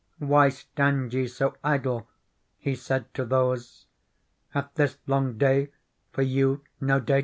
* Why stand ye so idle ?' he said to those ;* Hath this long day for you no date